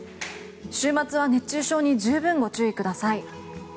週末は熱中症に十分ご注意ください。